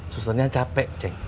susternya capek ceng